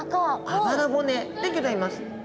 あばら骨でギョざいます。